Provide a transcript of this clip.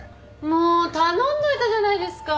もう頼んどいたじゃないですか。